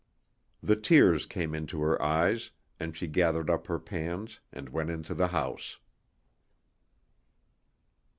The tears came into her eyes, and she gathered up her pans and went into the house.